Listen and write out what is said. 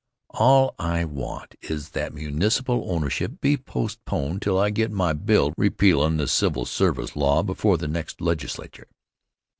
All I want is that municipal ownership be postponed till I get my bill repealin' the civil service law before the next legislature.